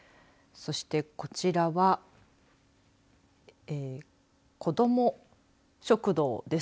そして、こちらは子ども食堂です。